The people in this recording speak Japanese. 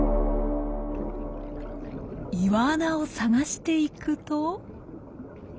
岩穴を探していくと。